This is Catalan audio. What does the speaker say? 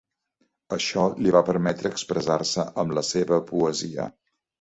Això li va permetre expressar-se amb la seva poesia.